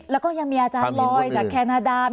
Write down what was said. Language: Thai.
แล้วก็ยังมีอาจารย์ลอยจากแคนาดาม